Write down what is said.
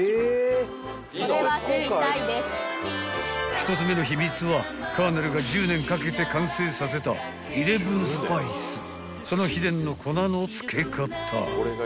［１つ目の秘密はカーネルが１０年かけて完成させたイレブンスパイスその秘伝の粉の付け方］